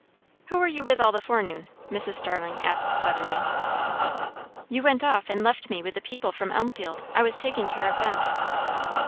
"Who were you with all the forenoon?" Mrs. Starling asked suddenly. "You went off and left me with the people from Elmfield. I was taking care of them."